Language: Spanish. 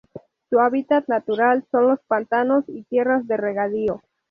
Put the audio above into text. Su hábitat natural son los pantanos y tierras de regadío.